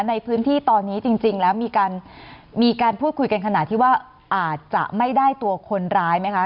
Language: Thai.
ในพื้นที่ตอนนี้จริงแล้วมีการพูดคุยกันขณะที่ว่าอาจจะไม่ได้ตัวคนร้ายไหมคะ